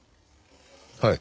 はい。